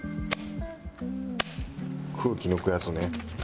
空気抜くやつね。